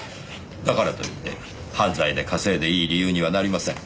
だからといって犯罪で稼いでいい理由にはなりません。